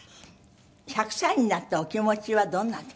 １００歳になったお気持ちはどんなで？